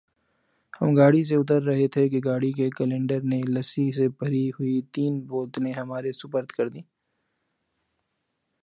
ہم گاڑی سے اتر رہے تھے کہ گاڑی کے کلنڈر نے لسی سے بھری ہوئی تین بوتلیں ہمارے سپرد کر دیں ۔